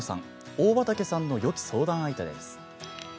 大畠さんの、よき相談相手です。